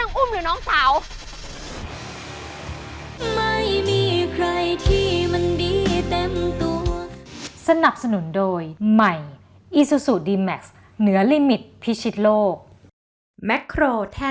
ทำไมพูดไม่รู้เรื่องวะ